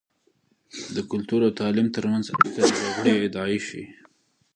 د کلتور او تعليم تر منځ اړیکه د جګړې ادعایی شې.